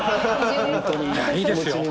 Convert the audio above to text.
いいですよ。